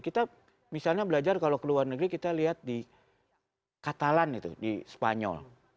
kita misalnya belajar kalau ke luar negeri kita lihat di katalan itu di spanyol